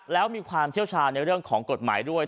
แล้วมีความเชี่ยวชาญในเรื่องของกฎหมายด้วย